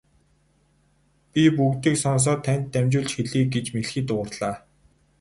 Би бүгдийг сонсоод танд дамжуулж хэлье гэж мэлхий дуугарлаа.